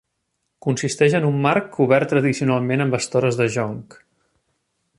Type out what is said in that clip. Consisteix en un marc cobert tradicionalment amb estores de jonc.